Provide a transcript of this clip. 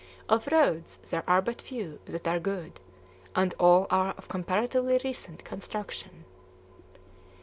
Of roads there are but few that are good, and all are of comparatively recent construction.